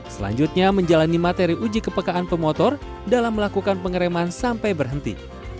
selanjutnya menjalani materi uji kepekaan pemotor dalam melakukan pengereman sampai berhenti